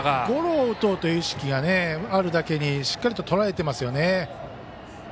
ゴロを打とうという意識があるだけにしっかりとらえてますよね。